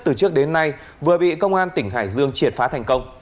từ trước đến nay vừa bị công an tỉnh hải dương triệt phá thành công